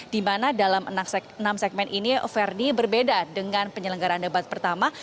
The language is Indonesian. di mana dalam enam segmen ini ferdi berbeda dengan penyelenggaran debat pertama